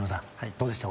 どうでした？